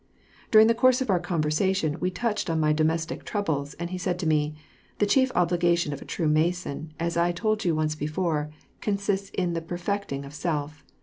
During the course of our conversation we touched on my domestic troubles, and he said to me: *^The chief obligation of a true Mason, as 1 told you once before, consists in the perfecting of self.